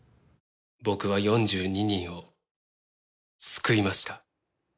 僕は４２人を救いました